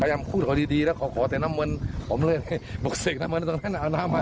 พยายามพูดขอดีแล้วขอแต่น้ำมันผมเลยบอกเสกน้ำมันตรงนั้นน้ำมัน